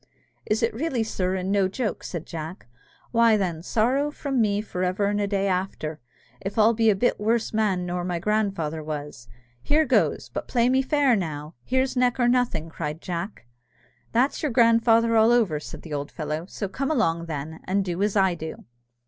"Is it really, sir, and no joke?" said Jack; "why, then, sorrow from me for ever and a day after, if I'll be a bit worse man nor my grandfather was! Here goes but play me fair now. Here's neck or nothing!" cried Jack. "That's your grandfather all over," said the old fellow; "so come along, then, and do as I do."